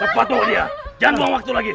lepas bawa dia jangan buang waktu lagi